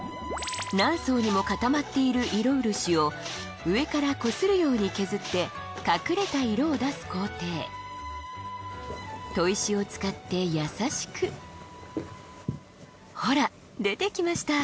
何層にも固まっている色漆を上からこするように削って隠れた色を出す工程砥石を使って優しくホラ出てきました